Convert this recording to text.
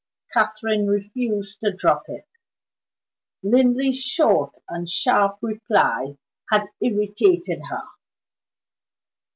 Catherine refused to drop it; Linley's short and sharp reply had irritated her.